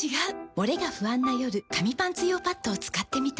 モレが不安な夜紙パンツ用パッドを使ってみた。